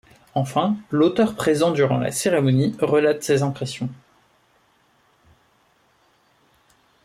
Enfin l’auteur présent durant la cérémonie relate ses impressions.